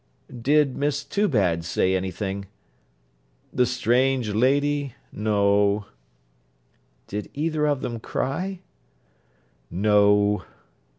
'Did Miss Toobad say any thing?' 'The strange lady? No.' 'Did either of them cry?' 'No.'